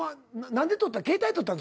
何で撮った？